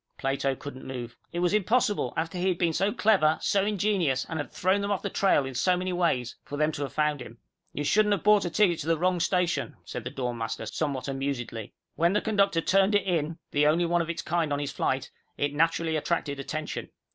Plato couldn't move. It was impossible, after he had been so clever, so ingenious, and had thrown them off the trail in so many ways, for them to have found him! "You shouldn't have bought a ticket to the wrong station," said the dorm master, somewhat amusedly. "When the conductor turned it in, the only one of its kind on his flight, it naturally attracted attention.